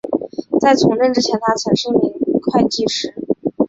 在从政之前他曾是一位会计师。